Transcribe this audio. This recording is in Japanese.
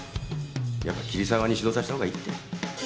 やっぱり桐沢に指導させたほうがいいって。